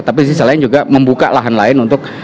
tapi di sisi lain juga membuka lahan lain untuk